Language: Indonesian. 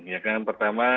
ya kan pertama